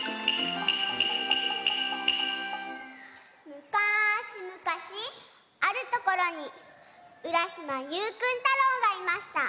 むかしむかしあるところにうらしまゆうくん太郎がいました。